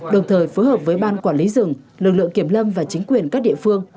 đồng thời phối hợp với ban quản lý rừng lực lượng kiểm lâm và chính quyền các địa phương